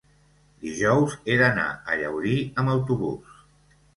Dijous he d'anar a Llaurí amb autobús.